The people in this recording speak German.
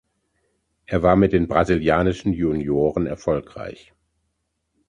Er war mit den brasilianischen Junioren erfolgreich.